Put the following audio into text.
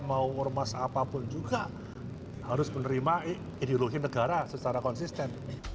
mau ormas apapun juga harus menerima ideologi negara secara konsisten